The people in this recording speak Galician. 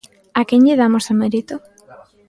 A quen lle damos o mérito?